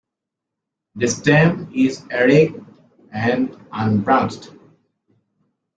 The stem is erect and unbranched.